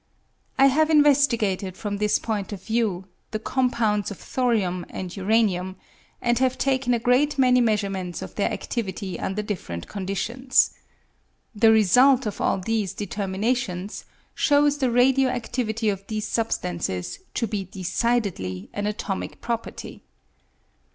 I have investigated, from this point of view, the compounds of thorium and uranium, and have taken a great many measurements of their adivity under different conditions. The result of all these determinations shows the radio adivity of these substances to be decidedly an atomic property.